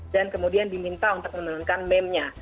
dan kemudian diminta untuk menemukan memenuhi meme nya